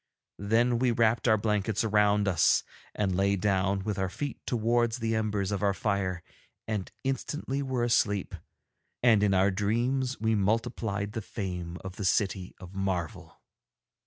Then we wrapped our blankets around us and lay down with our feet towards the embers of our fire and instantly were asleep, and in our dreams we multiplied the fame of the City of Marvel.